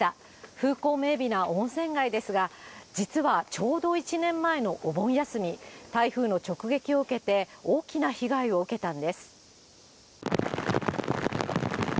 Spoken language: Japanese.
風光明媚な温泉街ですが、実はちょうど１年前のお盆休み、台風の直撃を受けて、大きな被害を受けたんです。